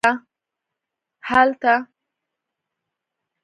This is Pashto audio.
هلته